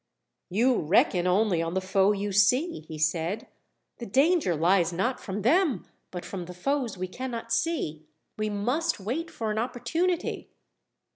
"You reckon only on the foe you see," he said. "The danger lies not from them, but from the foes we cannot see. We must wait for an opportunity."